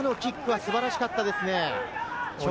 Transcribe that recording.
今のキックは素晴らしかったですね。